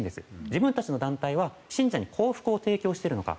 自分たちの団体は信者に幸福を提供しているのか。